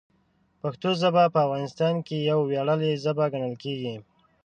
پښتو ژبه په افغانستان کې یوه ویاړلې ژبه ګڼل کېږي.